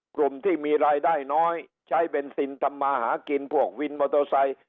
กลุ่มที่มีรายได้น้อยใช้เบนซินทำมาหากินพวกวินมอเตอร์ไซค์